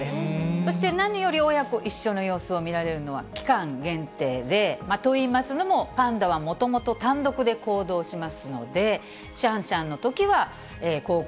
そして何より親子一緒の様子を見られるのは期間限定で、といいますのも、パンダはもともと単独で行動しますので、シャンシャンのときは、公開